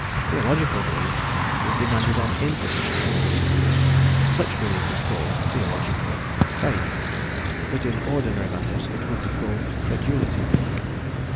Theological belief is demanded on insufficient evidence; such belief is called, theologically, "faith," but in ordinary matters it would be called "credulity."